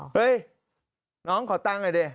เฮ้ยน้องขอตังค่ะดิ